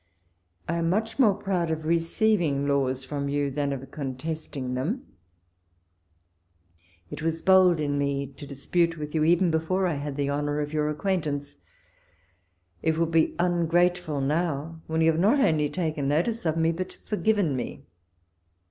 I am much more proud of receiving laws from you, than of contesting them. It was bold in me to dispute with you even before I had the honour of your acquaintance ; it would be ungrateful now when you have not only taken notice of me, but forgiven me.